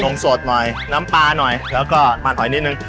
มสดหน่อยน้ำปลาหน่อยแล้วก็มันหน่อยนิดนึง